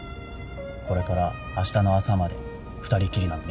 これからあしたの朝まで二人きりなのに。